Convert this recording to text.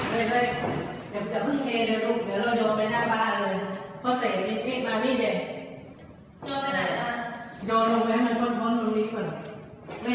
มือใคร